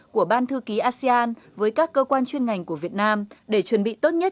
của ban thư ký asean với các cơ quan chuyên ngành của việt nam để chuẩn bị tốt nhất